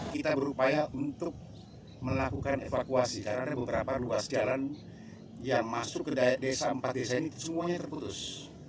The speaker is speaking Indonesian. kita berupaya untuk melakukan evakuasi karena ada beberapa ruas jalan yang masuk ke empat desa ini semuanya terputus